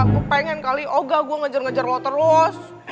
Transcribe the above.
gue pengen kali oga gue ngejar ngejar lo terus